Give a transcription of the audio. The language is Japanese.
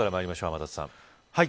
天達さん。